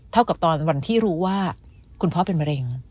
กับตอนวันที่รู้ว่าคุณพ่อเป็นมะเร็ง